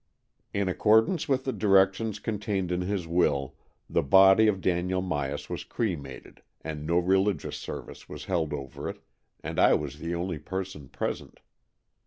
In accordance with the directions con tained in his will, the body of Daniel Myas was cremated and no religious service was held over it, and I was the only person present.